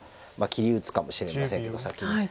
切り打つかもしれませんけど先に。